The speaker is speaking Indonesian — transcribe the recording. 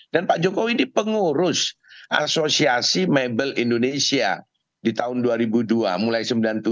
dan pak jokowi ini pengurus asosiasi mebel indonesia di tahun dua ribu dua mulai seribu sembilan ratus sembilan puluh tujuh